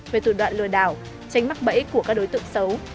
về tù đoạn lừa đảo tránh mắc bẫy của các đối tượng xấu